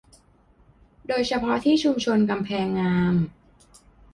โดยเฉพาะที่ชุมชนกำแพงงาม